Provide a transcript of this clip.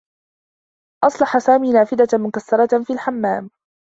أصلح سامي نافذة مكسّرة في الحمّام.